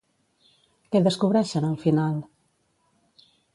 Què descobreixen al final?